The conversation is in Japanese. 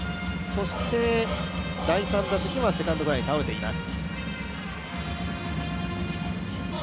そして、第３打席はセカンドフライへ倒れています。